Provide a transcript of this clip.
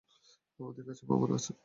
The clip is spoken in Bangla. আমাদের কাছে প্রমাণ আছে!